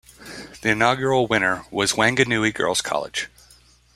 The inaugural winner was Wanganui Girls College.